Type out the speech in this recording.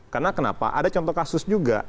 karena kenapa ada contoh kasus juga